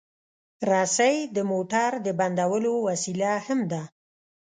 رسۍ د موټر د بندولو وسیله هم ده.